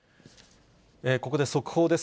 ここで速報です。